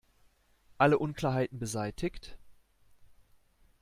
Alle Unklarheiten beseitigt?